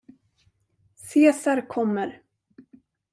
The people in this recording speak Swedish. Cesar kommer!